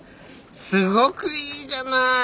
すごくいいじゃない！